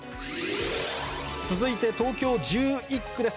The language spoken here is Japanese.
続いて東京１１区です。